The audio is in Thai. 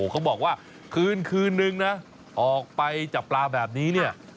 เขาบอกว่าคืนนึงนะออกไปจากปลาแบบนี้